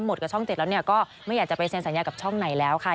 กับช่อง๗แล้วเนี่ยก็ไม่อยากจะไปเซ็นสัญญากับช่องไหนแล้วค่ะ